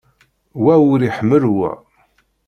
Wa ur iḥemmel wa.